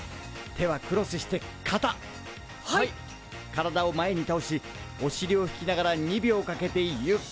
体を前にたおしおしりを引きながら２秒かけてゆっくりしゃがむ。